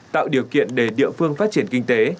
tạo điều kiện để địa phương phát triển kinh tế